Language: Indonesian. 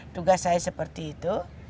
tugas saya seperti itu